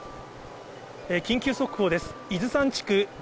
緊急速報です。